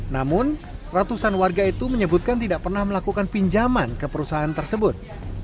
namun ratusan warga itu menyebutkan tidak pernah melakukan pinjaman ke perusahaan tersebut